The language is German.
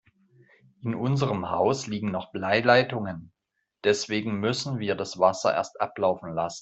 In unserem Haus liegen noch Bleileitungen, deswegen müssen wir das Wasser erst ablaufen lassen.